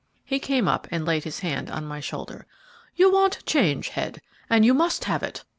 He came up and laid his hand on my shoulder. "You want change, Head, and you must have it.